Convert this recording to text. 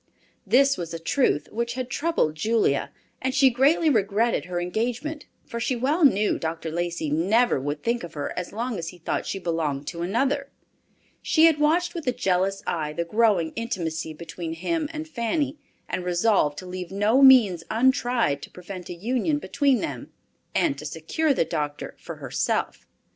This was a truth which had troubled Julia, and she greatly regretted her engagement, for she well knew Dr. Lacey never would think of her as long as he thought she belonged to another. She had watched with a jealous eye the growing intimacy between him and Fanny, and resolved to leave no means untried to prevent a union between them, and to secure the doctor for herself.